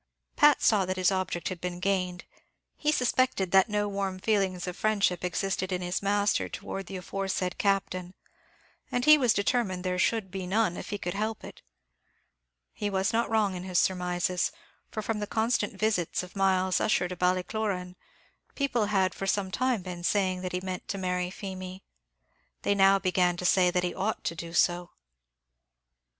Pat saw that his object had been gained; he suspected that no warm feelings of friendship existed in his master towards the aforesaid Captain, and he was determined there should be none if he could help it. He was not wrong in his surmises; for, from the constant visits of Myles Ussher to Ballycloran, people had for some time been saying that he meant to marry Feemy. They now began to say that he ought to do so.